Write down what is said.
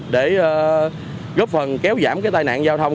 để góp phần kéo giảm tai nạn giao thông